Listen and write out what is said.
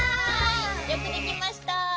よくできました！